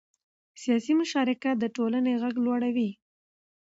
سیاسي مشارکت د ټولنې غږ لوړوي